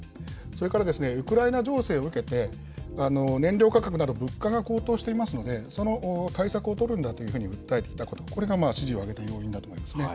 それからウクライナ情勢を受けて、燃料価格など、物価が高騰していますので、その対策を取るんだというふうに訴えていたこと、これが支持を上げた要因だと思いますね。